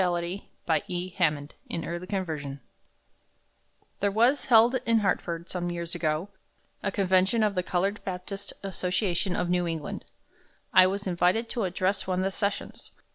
Nina Case. JACK'S FIDELITY There was held, in Hartford, some years ago, a convention of the colored Baptist Association of New England. I was invited to address one of the sessions.